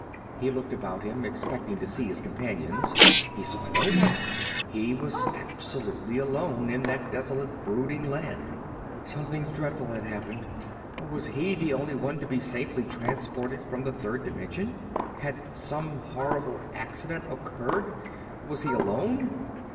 He looked about him, expecting to see his companions. He saw no one. He was absolutely alone in that desolate brooding land. Something dreadful had happened! Was he the only one to be safely transported from the third dimension? Had some horrible accident occurred? Was he alone?